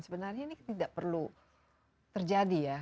sebenarnya ini tidak perlu terjadi ya